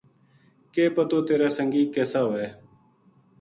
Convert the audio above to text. کے پتو تیرا سنگی کسا ہوئے